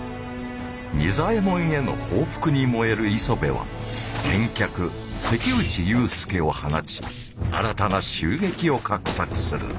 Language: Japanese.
仁左衛門への報復に燃える磯部は剣客関口雄介を放ち新たな襲撃を画策する。